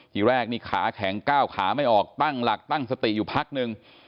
ทีแรกนี่ขาแข็งก้าวขาไม่ออกตั้งหลักตั้งสติอยู่พักนึง